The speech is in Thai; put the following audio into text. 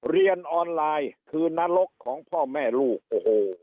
เรียนออนไลน์คือนรกของพ่อแม่ลูกโอ้โห